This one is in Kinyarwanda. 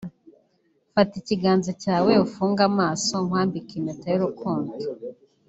”Fata ikiganza cyawe ufunge amaso nkwambike impeta y’urukundo